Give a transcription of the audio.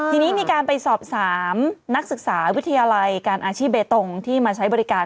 ทีนี้มีการไปสอบถามนักศึกษาวิทยาลัยการอาชีพเบตงที่มาใช้บริการ